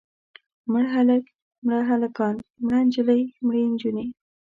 مړ هلک، مړه هلکان، مړه نجلۍ، مړې نجونې.